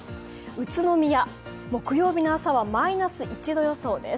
宇都宮、木曜日の朝はマイナス１度予想です。